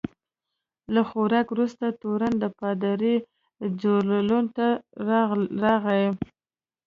له خوراک وروسته تورن د پادري ځورولو ته راغی.